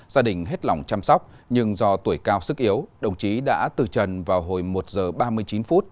gia đình hết lòng chăm sóc nhưng do tuổi cao sức yếu đồng chí đã từ trần vào hồi một giờ ba mươi chín phút